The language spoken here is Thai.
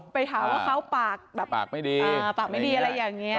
ไปหาว่าเขาปากแบบปากไม่ดีปากไม่ดีอะไรอย่างนี้